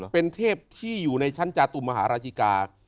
เป็นเทพที่อยู่ในชั้นจาตุมหาราชิกา